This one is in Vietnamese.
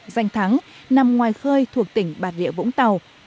danh thắng nằm ngoài khơi thuộc tỉnh bạc địa vũng tàu